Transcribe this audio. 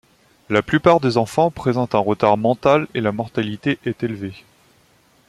La plupart des enfants présentent un retard mental et la mortalité est élevée.